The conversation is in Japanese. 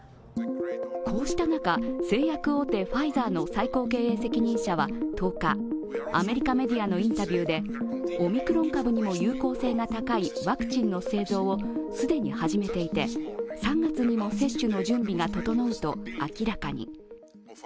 こうした中、製薬大手ファイザーの最高経営責任者は１０日、アメリカメディアのインタビューでオミクロン株にも有効性が高いワクチンの製造を既に始めていて、３月にも接種の準備が整うと明らかに。